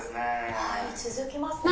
「はい続きますね」。